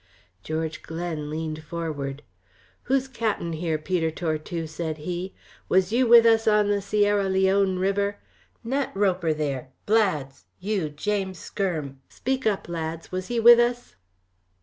George Glen leaned forward. "Who's cap'en here, Peter Tortue?" said he. "Was you with us on the Sierra Leone River? Nat Roper there, Blads, you James Skyrm, speak up, lads, was he with us?"